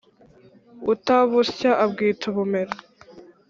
Utabusya abwita ubumera.